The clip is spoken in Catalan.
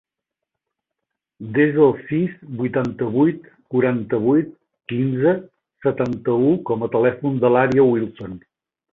Desa el sis, vuitanta-vuit, quaranta-vuit, quinze, setanta-u com a telèfon de l'Ària Wilson.